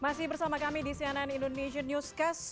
masih bersama kami di cnn indonesian newscast